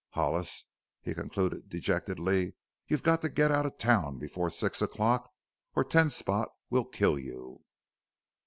Hollis" he concluded dejectedly, "you've got to get out of town before six o'clock or Ten Spot will kill you!